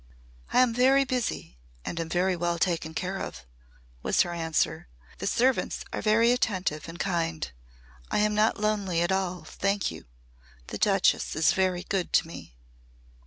"I am very busy and am very well taken care of," was her answer. "The servants are very attentive and kind. I am not lonely at all, thank you. The Duchess is very good to me."